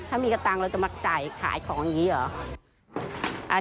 ถ้ามีกระตังค์เราจะมาจ่ายขายของอย่างนี้เหรอ